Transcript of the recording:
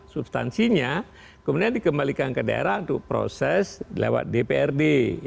substansinya kemudian dikembalikan ke daerah untuk proses lewat dprd